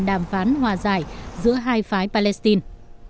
đàm phán hòa giải giữa hai phái palestine